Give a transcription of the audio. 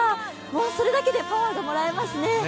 もうそれだけでパワーがもらえますね。